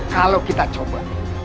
kalau kita coba